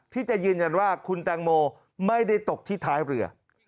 ที่จะยืนยันว่าคุณแตงโมไม่ได้ตกที่ท้ายเรือ